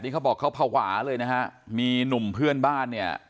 เขาบอกเขาภาวะเลยนะฮะมีหนุ่มเพื่อนบ้านเนี่ย